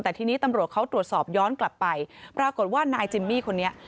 แต่ทีนี้ตำรวจเขาตรวจสอบย้อนกลับไปปรากฏว่านายจิมมี่คนนี้